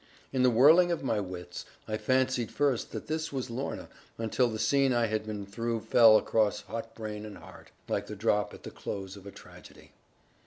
In the whirling of my wits, I fancied first that this was Lorna; until the scene I had been through fell across hot brain and heart, like the drop at the close of a tragedy.